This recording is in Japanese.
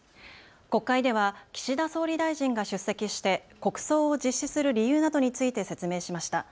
国会では岸田総理大臣が出席して国葬を実施する理由などについて説明しました。